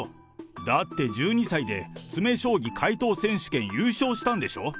だって１２歳で詰将棋解答選手権優勝したんでしょ？